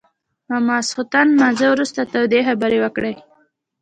له ماخستن لمونځ وروسته تودې خبرې وکړې.